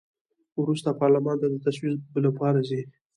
وروسته پارلمان ته د تصویب لپاره ځي.